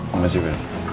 terima kasih bu